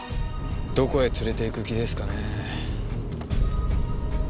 どこへ連れて行く気ですかね？